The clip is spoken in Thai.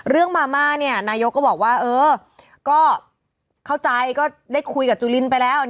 มาม่านายกก็บอกว่าเออก็เข้าใจก็ได้คุยกับจุลินไปแล้ว